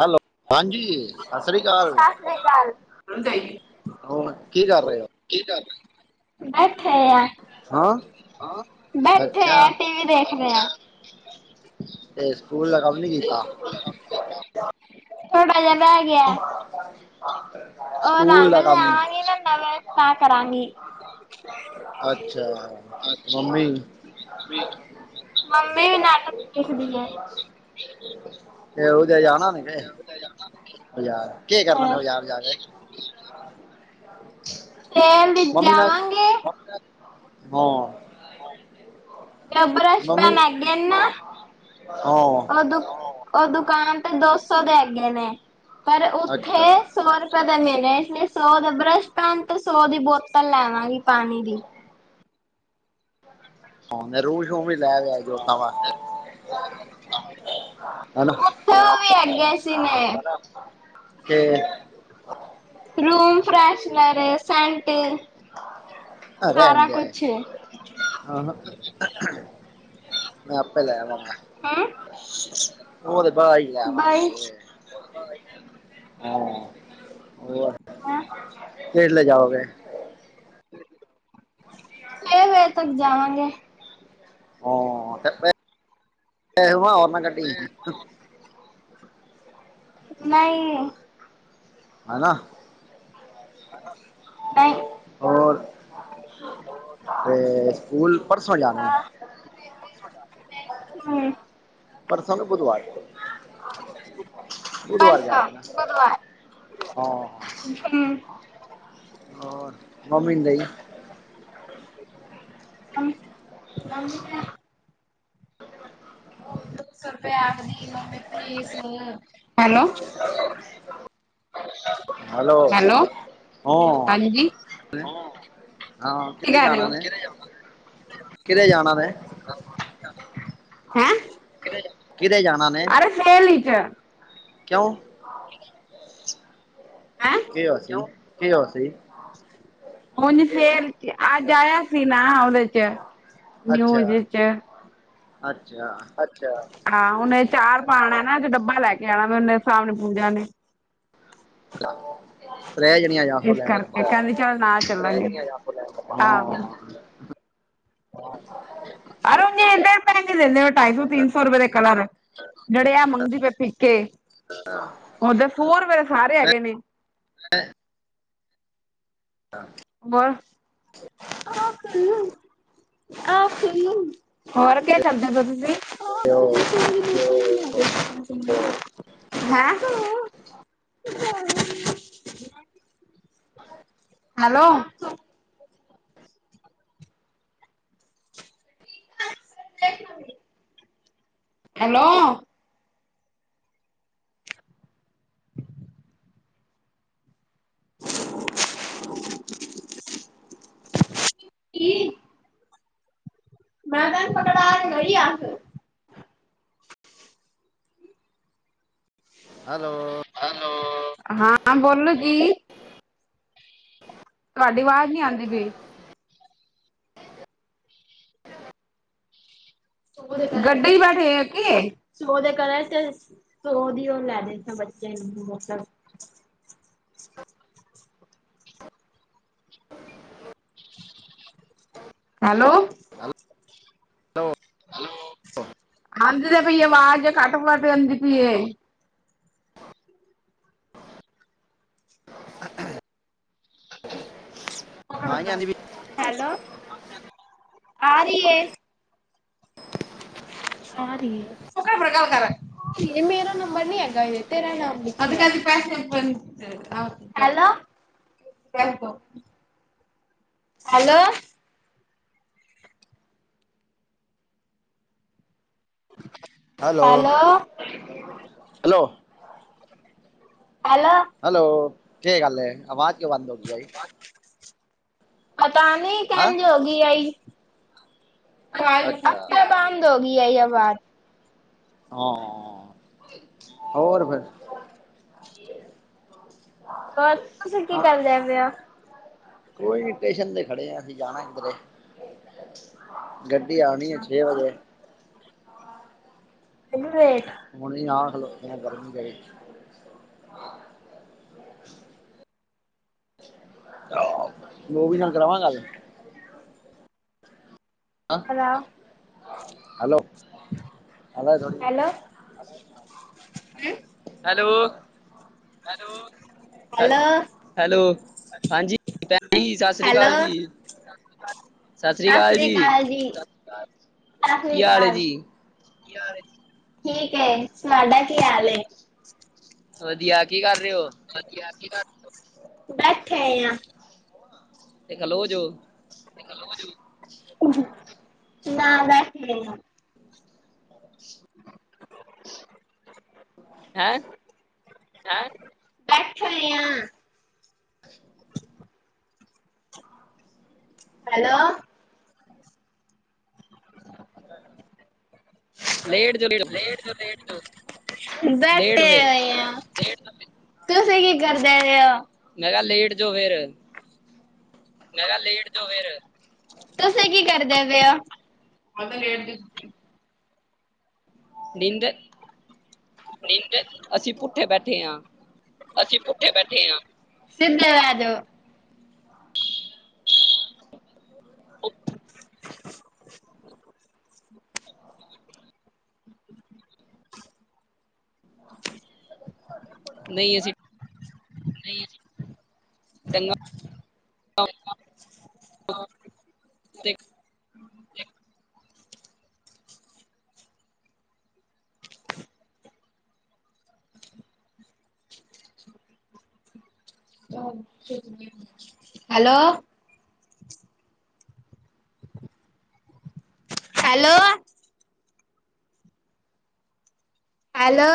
Hello ਹਾਂਜੀ ਸਤਿ ਸ੍ਰੀ ਅਕਾਲ ਸਤਿ ਸ੍ਰੀ ਅਕਾਲ। ਹੋਰ, ਕੀ ਕਰ ਰਹੇ ਹੋ ਕੀ ਕਰ ਰਹੇ ਹੋ ਬੈਠੇ ਆ, ਹਾਂ ਬੈਠੇ ਅੱਛਾ ਆ, ਟੀ ਵੀ ਦੇਖ ਰਹੇ ਆ ਤੇ ਸਕੂਲ ਕੰਮ ਨੀ ਕੀਤਾ [inaudible] [unintelligible] ਬੈ ਗਿਆ, ਉਹ ਸਕੂਲ ਰੰਗ ਦਾ ਕੰਮ ਲਿਆਵਾਂਗੀ ਨਾ ਨਵੇ ਤੇ ਕਰਾਂਗੀ ਅੱਛਾ ਮੰਮੀ ਮੰਮੀ ਨਾਟਕ ਲਿਖਦੀ ਹੈ ਤੇ ਉਥੇ ਜਾਣਾ ਨੀ ਵੇ ਹਾਂ ਬਾਜ਼ਾਰ, ਕੀ ਕਰਨਾ ਨੇ, ਬਾਜ਼ਾਰ ਜਾ ਕੇ ਸੇਲ ਵਿਚ ਮੰਮੀ ਨਾਲ ਜਾਵਾਂਗੇ ਹਾਂ ਜੋ ਬਰਸ਼ ਮੰਮੀ ਪੈਨ ਹੈਗੇ ਨਾ, ਹਾਂ ਉਹ ਦੁੱਖ ਉਹ ਦੁਕਾਨ ਤੇ ਦੋ ਸੌ ਦੇ ਹੈਗੇ ਨੇ, ਪਰ ਅੱਛਾ ਉੱਥੇ ਸੌ ਰੁਪਏ ਦੇ ਮਿਲਦੇ ਨੇ, ਇਸ ਲਈ ਸੌ ਦਾ ਬਰੱਸ਼ ਪੈਣ, ਤੇ ਸੌ ਦੀ ਬੋਤਲ ਲੈਵਾਂਗੀ ਪਾਣੀ ਦੀ ਹਾਂ, ਰੂ ਸ਼ੂ ਵੀ ਲੈ ਲਯੋ, ਜੋਤਾਂ ਵਾਸਤੇ ਹਨਾ ਉੱਥੇ, ਉਹ ਵੀ ਹੈਗੇ ਸੀ ਨੇ ਤੇ ਰੂਮ ਫਰੈਸ਼ਨਰ, ਸੈਂਟ ਅ ਰਹਿਣ ਦੇ, ਮੈਂ ਆਪੇ ਲੇ ਆਵਾਂਗਾ ਹੈਂ ਉਹ ਤੇ ਬਾਹਰੋ ਹੀ ਲੈ ਬਾਈ ਆਵਾਂਗੇ ਹਾਂ ਉਹ ਹੈ ਲੈ ਲਗਾਓਗੇ। ਛੇ ਵਜੇ ਤੱਕ ਜਾਵਾਂਗੇ ਹਾ ਚ ਪਰ ਹੋਰਨਾਂ ਕਟੀ ਨਹੀਂ ਹਨ ਨਾ ਹੈ ਹੋਰ ਤੇ ਸਕੂਲ ਪਰਸੋਂ ਜਾਣਾ ਹੀ ਹਾਂ ਹਮ ਪਰਸੋ ਮ ਬੁਧਵਾਰ ਬੁਧਵਾਰ ਪਰਸੋਂ ਜਾਵੇ ਨਾ ਬੁਧਵਾਰ ਹਾਂ ਹਮ ਹਾਂ ਮੰਮੀਦਾਈ ਮੰਮੀ ਨੇ ਦੋ ਸੌ ਰੁਪਏ ਅਗਦੀ ਮੰਮੀ ਪਲੀਜ਼ ਹੈਲੋ ਹੈਲੋ ਹਮ ਹਾਂਜੀ ਹਾਂ ਕੀ ਕਿਤੇ ਕਰ ਰਹੇ ਜਾਣਾ ਹੋ ਨੇ ਕਿਤੇੇ ਜਾਣਾ ਨੇ ਹੈਂ ਕਿਤੇ ਜਾਣਾ ਨੇ ਅਰੇ ਸੇਲ ਚ ਕਿਉਂ? ਠ [unintelligible] ਕੀ ਅ ਸੀ ਕਿ ਅ ਸੀ ਹਝ ਸੇਰ ਅੱਜ ਆਇਆ ਸੀ ਨਾ ਉਹਦੇ ਚ ਅੱਛਾ ਨਿਊਜ਼ ਅੱਛਾ ਅੱਛਾ ਹਾਂ ਉਨੇ ਚਾਰ ਪਾਣਾ ਨਾ ਜੋ ਡੱਬਾ ਲੈ ਕੇ ਆਣਾ ਉਨੇ ਸਾਮਣੇ ਪੂਜਾ ਨੇ ਆਹੋ ਇਸ ਕਰਕੇ ਕੈਂਦੀ ਚੱਲ ਨਾ ਚੱਲਾਂਗੇ ਹਾਂ ਆਹੋ। ਅਨੇ ਇੇ ਰ ਪੈਗੇ ਦਿੰਦੇ ਹੋ ਢਾਈ ਸੌ ਤਿੰਨ ਸੌ ਰੁਪਏ ਦੇ ਕਲਰ ਨੜਿਆ ਮੰਗਦੀ ਪਏ ਪੀਕੇ ਹਾਂ ਉਦ ਫ ਹੋਰ ਮੇਰੇ ਸਾਰੇ ਹੈਗੇ ਨੇ ਐ [unintelligible] ਬਸ [inaudible] ਹੋਰ ਕੇ ਕਰਦੇ ਪੇਓ ਤੁਸੀਂ? [inaudible] ਹੈਂ। ਹੈਲੋ ਹੈਲੋ ਮੈਂਨਨ ਪਕੜਾ ਕੇ ਗਈ ਆ ਫਿਰ ਹੈਲੋ ਹਾਂ ਬੋਲੋ ਜੀ ਤੁਹਾਡੀ ਆਵਾਜ਼ ਨਹੀਂ ਆਂਦੀ ਬਈ ਦੇ ਗੱਡੀ ਬੈਠੇ ਉਹਦੇ ਕਰ ਤੇ ਉਹਦੀ ਉਹ ਲੈ ਦੇ ਬੱਚੇ ਨੂੰ ਬੋਤਲ, [inaudible] ਹੈਲੋ ਹੈਲੋ -ਹੈਲੋ। ਆਾਂਦੀ ਦੇ ਪਈਏ, ਆਵਾਜ਼ ਕੱਟ ਘੱਟ, ਜਾਂਂਦੀ ਪਈਏ, [unintelligible] [inaudible] [unintelligible] ਅਵਾਜ਼ ਨੀ ਆਂਦੀ ਪੀ, ਹੈਲੋ, ਆ ਰੀ ਏ, ਹਾਂਜੀ, ਸ਼ੁਕਰ ਕਰਿਆ ਕਰ ਮੇਰਾ ਨੰਬਰ ਨੀ ਹੈਗਾ, ਏ ਤੇਰਾ ਨੰਬਅੱਜ ਕੱਲ ਪੈਸੇ hello, hello hello, hello hello hello, ਕੇ ਗੱਲ ਏ ਆਵਾਜ਼ ਕਿਉਂ ਬੰਦ ਹੋ ਗਈ ਆਈ? ਪਤਾ ਨਈ ਹਾਂ ਕੇਂਝ ਹੋਗੀ ਆਈ, ਆਪੇ ਅੱਛਾ ਬੰ ਬੰਦ ਹੋਗੀ, ਐਈ ਅਵਾਜ਼। ਹਾਂ, ਹੋਰ ਵਧੀਆ, ਹੋਰ, ਤੁਸੀਂ ਕੀ ਕਰਦੇ ਪੈ ਓ? ਹੋਹੀ ਟੇਸ਼ਨ ਤੇ ਖੜੇ ਆ, ਅਸੀਂ ਜਾਣਾ ਕਿਧਰੇ? ਗੱਡੀ, ਆਣੀ ਏ ਛੇ ਵਜੇ। ਰੁਗਰੇਟ ਹੁਣੀ ਆ, ਖਲੋਤੇ ਆ ਗਰਮੀ ਦੇ ਵਿਚ ਲੋ ਵੀ, ਨਾਲ ਕਰਾਵਾਂ ਗੱਲ? ਕਰਾਓ hello, hello Johnny. Hello. Hello. ਹੈ ਹੈਲੋ, ਹਾਂਜੀ ਭੈ ਜੀ, ਸਤਿ ਸ੍ਰੀ ਅਕਾਲ ਹੈਲੋ ਜੀ। ਸਤਿ ਸ੍ਰੀ ਅਕਾਲ ਜੀ, ਸਤਿ ਸ੍ਰੀ ਕੀ ਹਾਲ ਹੈ ਅਕਾਲ। ਜੀ ਠੀਕ ਏ, ਤੁਹਾਡਾ ਕੀ ਹਾਲ ਏ? ਵਧੀਆ ਕੀ ਕਰ ਰੇ ਓ? ਵਧੀਆ, ਕੀ ਕਰ ਬੈਠੇ ਹੌਏ ਆ। ਤੇ, ਖਲੋ ਜੋ। ਨਾ, ਬਹੀ। [inaudible] [unintelligible] ਹੈਂ! ਹੈ ਬੈਠੇ ਹੋਏ ਆ। [unintelligible] ਹੈਲੋ। ਹਾਂਜੀ। ਲੇਟ ਜਾਉ-ਲੇਟ ਜਾਉ। ਲੇਟ ਬੈਠੇ ਫੇਰ ਉਏ ਆ, ਤੁਸੀਂ ਕੀ ਕਰਦੇ ਪੇ ਓ? ਮੈਂ ਕਿਆ, ਲੇਟ ਜੋ ਫੇਰ। ਮੈਂ ਕਿਹਾ, ਲੇਟ ਜੋ ਫੇਰ, ਤੁਸੀਂ ਕੀ ਕਰਦੇ ਪੇ ਓ? ਨਿੰਦਰ ਨਿੰਦਰ ਅਸੀਂ, ਪੁੱਠੇ ਬੈਠੇ ਆ। ਅਸੀਂ ਭੂੱਖੇ ਬੈਠੇ ਆ। ਸਿੱਧੇ ਵਹਿ ਜੋ। ਨਈ ਅਸੀਂ ਨਈ ਅਸੀਂ [unintelligible] ਹੈਲੋ ਹੈਲੋ ਹੈਲੋ